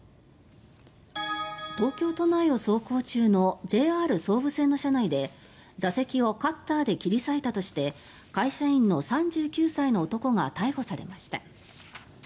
東京都内を走行中のＪＲ総武線の車内で座席をカッターで切り裂いたとして会社員の３９歳の男が逮捕されました。